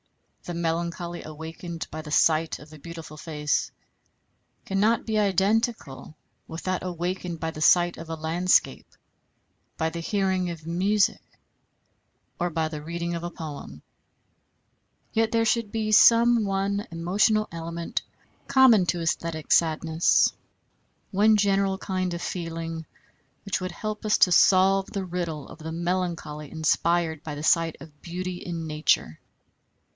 The melancholy awakened by the sight of a beautiful face cannot be identical with that awakened by the sight of a landscape, by the hearing of music, or by the reading of a poem. Yet there should be some one emotional element common to æsthetic sadness, one general kind of feeling which would help us to solve the riddle of the melancholy inspired by the sight of beauty in Nature.